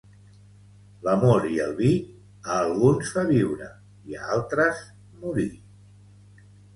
L'amor i el vi, a alguns fa viure i a altres, morir.